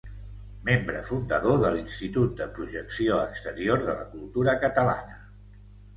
Membre fundador de l'Institut de Projecció Exterior de la Cultura Catalana.